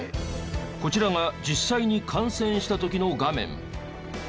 こちらが実際に感染した時の画面。